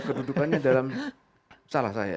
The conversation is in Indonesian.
kedudukannya dalam salah saya